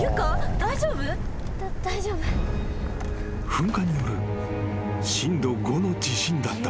［噴火による震度５の地震だった］